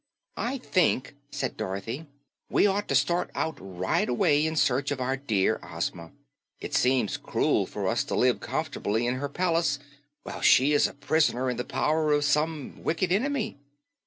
"I think," said Dorothy, "we ought to start out right away in search of our dear Ozma. It seems cruel for us to live comf'tably in her palace while she is a pris'ner in the power of some wicked enemy."